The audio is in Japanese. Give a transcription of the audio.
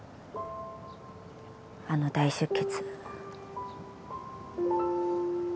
あの大出血。